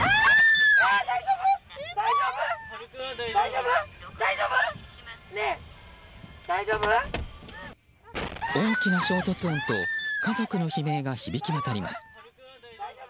大きな衝突音と家族の悲鳴が響き渡ります。